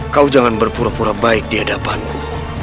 kau jangan berpura pura baik di hadapanku